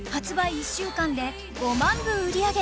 １週間で５万部売り上げ